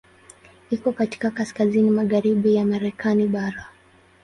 Iko katika kaskazini magharibi ya Marekani bara.